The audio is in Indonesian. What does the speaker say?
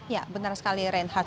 ya benar sekali reinhardt